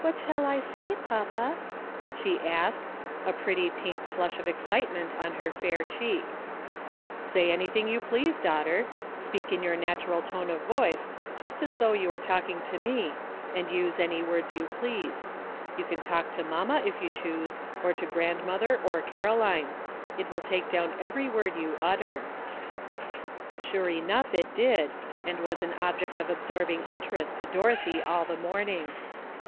''What shall I say, papa?" she asked, a pretty pink flush of excitement on her fair cheek. *' Say anything you please, daughter. Speak in your natural tone of voice, just as though you were talking to me, and use any words you please ; you can talk to mamma, if you choose, 359 360 AT LAST. or to grandmother or Caroline. It will take down every word you utter." Sure enough it did, and was an object of absorbing interest to Dorothy all the morning.